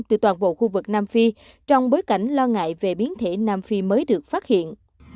từ toàn bộ khu vực nam phi trong bối cảnh lo ngại về biến thể nam phi mới được phát hiện